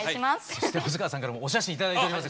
そして細川さんからもお写真頂いております